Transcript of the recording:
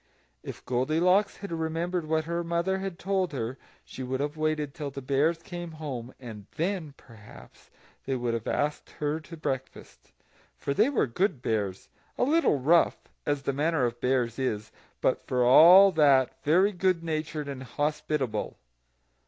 If Goldilocks had remembered what her mother had told her, she would have waited till the Bears came home, and then, perhaps, they would have asked her to breakfast; for they were good Bears a little rough, as the manner of Bears is, but for all that very good natured and hospitable.